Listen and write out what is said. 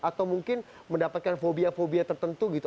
atau mungkin mendapatkan fobia fobia tertentu gitu